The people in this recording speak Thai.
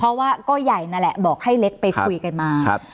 เพราะว่าก็ใหญ่นั่นแหละบอกให้เล็กไปคุยกันมาครับ